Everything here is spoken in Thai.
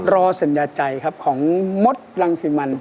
รอสัญญาใจครับของมดรังสิมัน